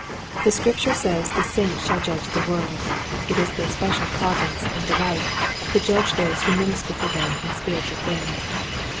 The Scripture says the saints shall judge the world. It is their special province and delight to judge those who minister to them in spiritual things.